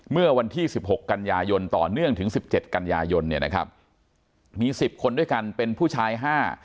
เมื่อวันที่สิบหกกันยายนต่อเนื่องถึงสิบเจ็ดกันยายนเนี่ยนะครับมีสิบคนด้วยกันเป็นผู้ชายห้า